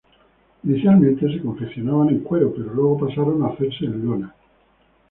Inicialmente, se confeccionaban en cuero pero luego pasaron a hacerse en lona.